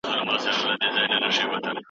نقيب گلاب دی، نقيب گل دی، نقيب زړه دی د چا؟